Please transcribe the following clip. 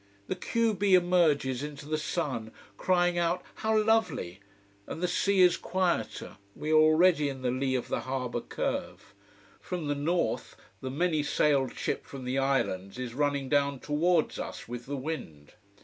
The q b emerges into the sun, crying out how lovely! And the sea is quieter: we are already in the lea of the harbour curve. From the north the many sailed ship from the islands is running down towards us, with the wind.